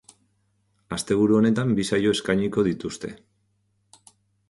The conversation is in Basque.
Asteburu honetan bi saio eskainiko dituzte.